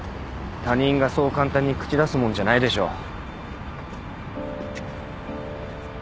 他人がそう簡単に口出すもんじゃないでしょ。